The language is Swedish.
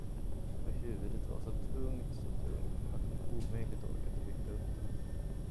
Och huvudet var så tungt, så tungt, att hon omöjligt orkade lyfta upp det.